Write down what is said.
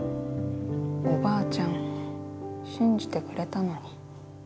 おばあちゃん信じてくれたのに。